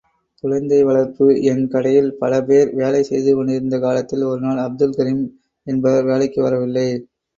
குழந்தை வளர்ப்பு என் கடையில் பலபேர் வேலை செய்துகொண்டிருந்த காலத்தில், ஒருநாள் அப்துல் கரீம் என்பவர் வேலைக்கு வரவில்லை.